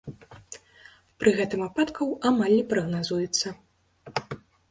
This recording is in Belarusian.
Пры гэтым ападкаў амаль не прагназуецца.